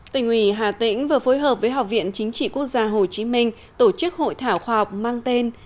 tỉnh ủy hà tĩnh vừa phối hợp với học viện chính trị quốc gia hồ chí minh tổ chức hội thảo khoa học mang tên